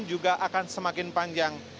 juga akan semakin panjang